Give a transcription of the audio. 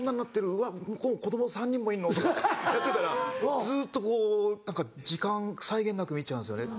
うわ子供３人もいんの？とかやってたらずっとこう何か時間際限なく見ちゃうんですよね。